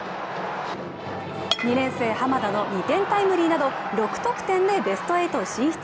２年生・濱田の２点タイムリーなど６得点でベスト８進出。